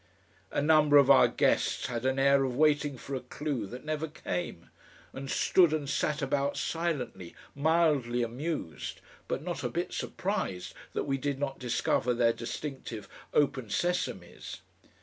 A number of our guests had an air of waiting for a clue that never came, and stood and sat about silently, mildly amused but not a bit surprised that we did not discover their distinctive Open Sesames.